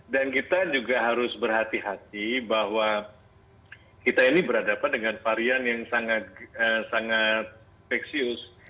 dan kita juga harus berhati hati bahwa kita ini berhadapan dengan varian yang sangat veksius